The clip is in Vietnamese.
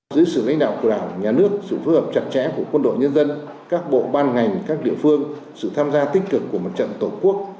dưới sự lãnh đạo của đảng nhà nước sự phối hợp chặt chẽ của quân đội nhân dân các bộ ban ngành các địa phương sự tham gia tích cực của mặt trận tổ quốc